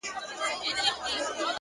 هره ناکامي د نوې تجربې ډالۍ ده